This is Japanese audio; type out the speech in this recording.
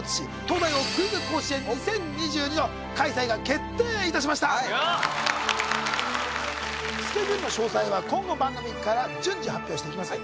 東大王クイズ甲子園２０２２の開催が決定いたしましたスケジュールの詳細は今後番組から順次発表していきます